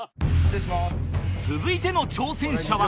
続いての挑戦者は